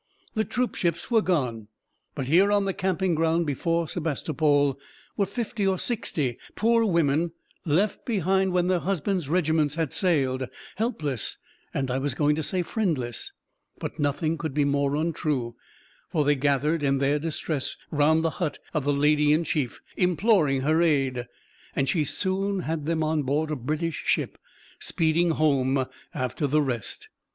The troopships were gone; but here, on the camping ground before Sebastopol, were fifty or sixty poor women, left behind when their husbands' regiments had sailed, helpless and I was going to say friendless, but nothing could be more untrue; for they gathered in their distress round the hut of the Lady in Chief, imploring her aid; and she soon had them on board a British ship, speeding home after the rest.